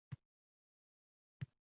Demak